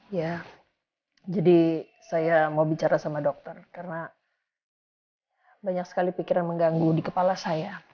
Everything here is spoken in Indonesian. iya jadi saya mau bicara sama dokter karena banyak sekali pikiran mengganggu di kepala saya